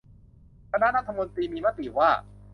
คณะรัฐมนตรีมีมติว่า